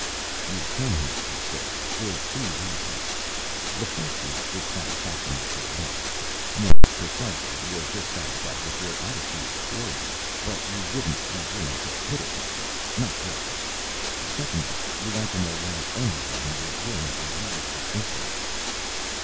"You've come here," he said, "for two reasons. The first is dissatisfaction with your life. More precisely, you're dissatisfied with your attitude toward life but you wouldn't be willing to put it that way, not yet. Secondly, you want to know why anyone would willingly leave the System."